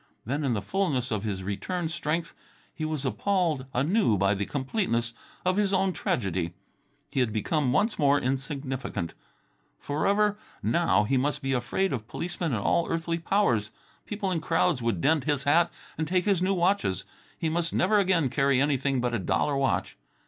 Then, in the fulness of his returned strength, he was appalled anew by the completeness of his own tragedy. He had become once more insignificant. Forever, now, he must be afraid of policemen and all earthly powers. People in crowds would dent his hat and take his new watches. He must never again carry anything but a dollar watch.